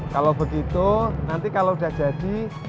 kalo begitu nanti kalo udah jadi